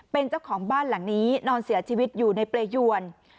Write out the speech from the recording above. เป็นเจ้าของบ้านหลังนี้นอนเสียชีวิตอยู่ในเปรยวน